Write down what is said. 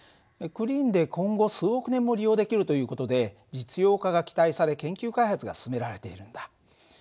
クリーンで今後数億年も利用できるという事で実用化が期待され研究開発が進められているんだ。